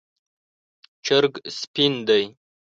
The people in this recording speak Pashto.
چرګ سپین دی